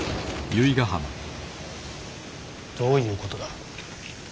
どういうことだ。